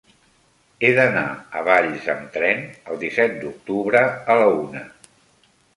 He d'anar a Valls amb tren el disset d'octubre a la una.